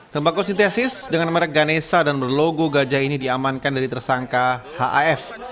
tembakau sintesis dengan merek ganesa dan berlogo gajah ini diamankan dari tersangka haf